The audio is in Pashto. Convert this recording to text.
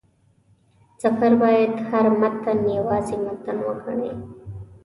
مفسر باید هر متن یوازې متن وګڼي.